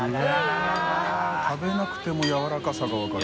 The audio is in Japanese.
食べなくてもやわらかさが分かる。